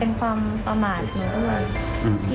เป็นความประหมาติ